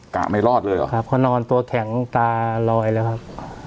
กะไม่รอดเลยเหรอครับเขานอนตัวแข็งตาลอยแล้วครับ